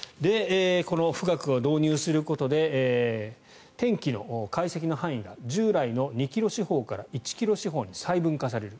この富岳を導入することで天気の解析の範囲が従来の２ｋｍ四方から１ｋｍ四方に細分化される。